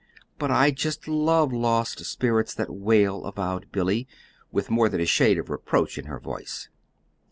"But I just love lost spirits that wail," avowed Billy, with more than a shade of reproach in her voice.